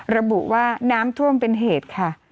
ระบุว่าน้ำท่วมเป็นเหตุค่ะ